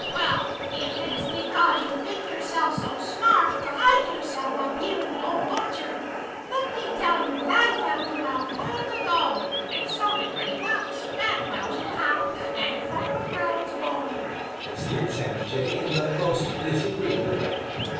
"Well, if it is because you think yourself so smart to hide yourself up here in the old orchard, let me tell you that I found you out long ago, and so did Reddy Fox, and Bowser the Hound, and Farmer Brown's boy," sneered Sammy Jay in the most disagreeable way.